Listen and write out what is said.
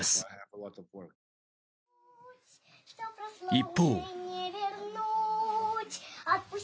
一方。